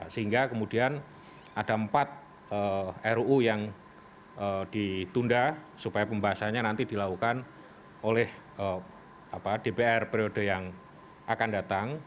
sehingga kemudian ada empat ruu yang ditunda supaya pembahasannya nanti dilakukan oleh dpr periode yang akan datang